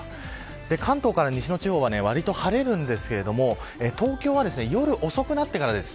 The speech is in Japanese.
関東から西の地方はわりと晴れるんですが東京は、夜遅くなってからです。